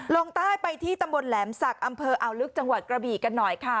ลงใต้ไปที่ตำบลแหลมศักดิ์อำเภออ่าวลึกจังหวัดกระบี่กันหน่อยค่ะ